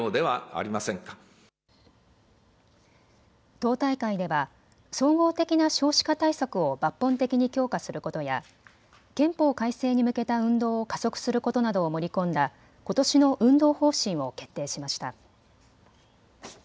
党大会では総合的な少子化対策を抜本的に強化することや憲法改正に向けた運動を加速することなどを盛り込んだことしの運動方針を決定しました。